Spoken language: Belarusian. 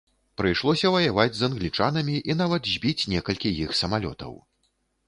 Прыйшлося ваяваць з англічанамі і нават збіць некалькі іх самалётаў.